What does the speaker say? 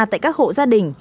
tại các hộ gia đình